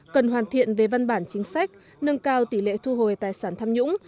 cần hoàn thiện về văn bản chính sách nâng cao tỷ lệ thu hồi tài sản tham nhũng